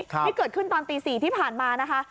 ที่เกิดขึ้นตอนตี๔ที่ผ่านมานะคะ